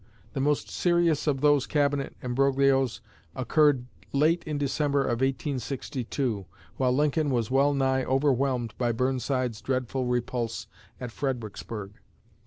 The most serious of these Cabinet embroglios occurred late in December of 1862, while Lincoln was well nigh overwhelmed by Burnside's dreadful repulse at Fredericksburg.